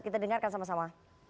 kita dengarkan sama sama